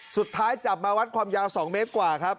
สุดท้ายจับมาวัดความยาว๒เมตรกว่าครับ